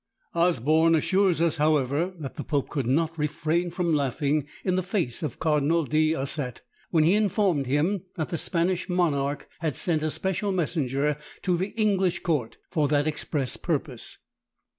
Osborn assures us, however, that the pope could not refrain from laughing in the face of Cardinal D'Ossat, when he informed him, that the Spanish monarch had sent a special messenger to the English court for that express purpose.